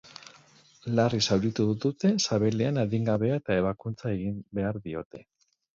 Larri zauritu dute sabelean adingabea eta ebakuntza egin behar diote.